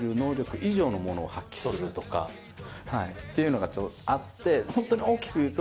ていうのがあってホントに大きく言うと。